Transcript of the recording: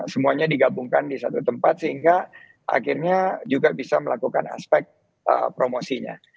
semuanya digabungkan di satu tempat sehingga akhirnya juga bisa melakukan aspek promosinya